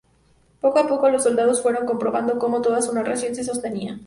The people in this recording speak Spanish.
Poco a poco, los soldados fueron comprobando como toda su narración se sostenía.